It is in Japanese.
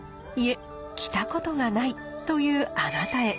いえ着たことがないというあなたへ。